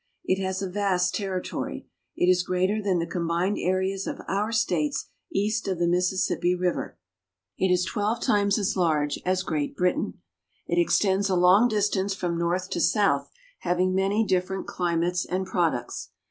It has a vast territory. It is greater than the combined areas of our States east of the Mississippi river. It is twelve times as large as Great CARP. S. AM. — II 1 68 ARGENTINA. Britain. It extends a long distance from north to south, having many different climates and products.